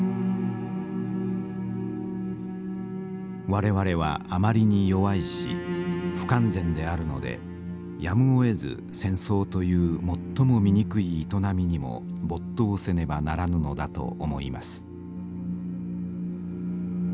「我々はあまりに弱いし不完全であるのでやむをえず戦争という最も醜い営みにも没頭せねばならぬのだと思います」。